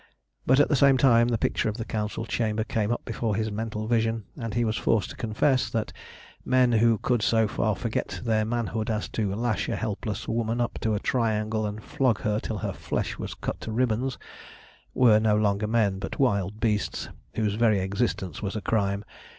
But at the same time the picture in the Council chamber came up before his mental vision, and he was forced to confess that men who could so far forget their manhood as to lash a helpless woman up to a triangle and flog her till her flesh was cut to ribbons, were no longer men but wild beasts, whose very existence was a crime.